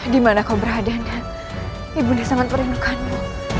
di mana kau berada dan ibunya sangat merindukanmu